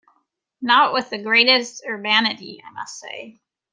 Not with the greatest urbanity, I must say.